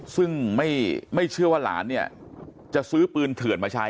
ซึ่งไม่เชื่อว่าหลานเนี่ยจะซื้อปืนเถื่อนมาใช้